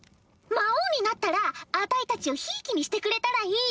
魔王になったらあたいたちをひいきにしてくれたらいい。